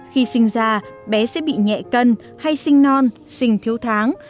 khi sinh ra bé sẽ bị nhẹ cân hay sinh non sinh thiếu tháng